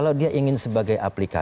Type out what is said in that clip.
jadi dia tidak bisa memperbaiki peraturan